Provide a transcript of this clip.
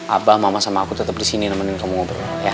abah mama sama aku tetep disini nemenin kamu ngobrol ya